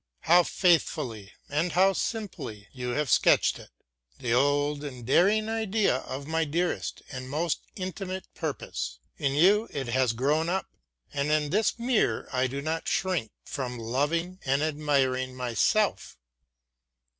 How faithfully and how simply you have sketched it, the old and daring idea of my dearest and most intimate purpose! In you it has grown up, and in this mirror I do not shrink from loving and admiring myself.